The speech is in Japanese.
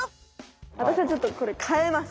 私はちょっとこれかえます。